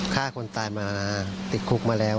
ฆ่าคนตายมาติดคุกมาแล้ว